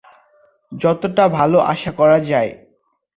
যতটা ভালো আশা করা যায়।